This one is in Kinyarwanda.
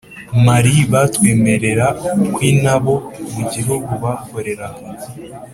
mari batwemerera kwin abo mu gihugu bakoreraga